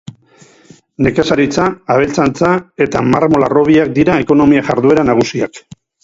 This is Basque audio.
Nekazaritza, abeltzaintza eta marmol-harrobiak dira ekonomia-jarduera nagusiak.